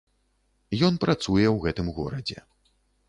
Ён працуе ў гэтым горадзе.